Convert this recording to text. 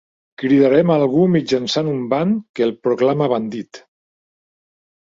Cridarem algú mitjançant un ban que el proclama bandit.